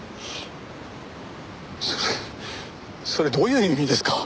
それそれどういう意味ですか？